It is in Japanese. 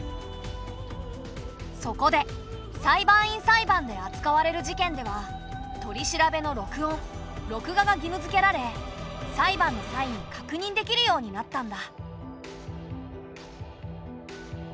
そこで裁判員裁判であつかわれる事件では取り調べの録音録画が義務付けられ裁判の際に確認できるようになったんだ。